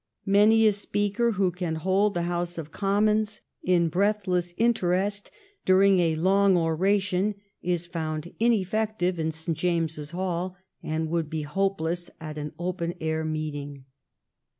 Many a speaker who can hold the House of Commons in breathless interest THE TIDE TURNS 305 during a long oration is found ineffective in St. James s Hall, and would be hopeless at an open air meeting.